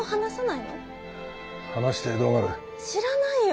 知らないよ！